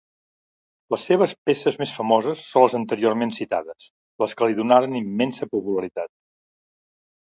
Les seves peces més famoses són les anteriorment citades, les que li donaren immensa popularitat.